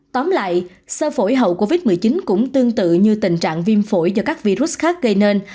tóm lại sơ phổi hậu covid một mươi chín cũng tương tự như tình trạng viêm phổi do các virus khác gây nên